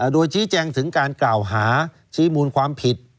โดยชี้แจงถึงการกล่าวหาชี้มูลความผิด